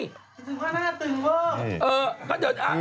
ตื่นผ้าหน้าตึกบ้าง